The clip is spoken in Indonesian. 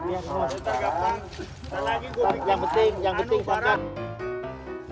yang penting yang penting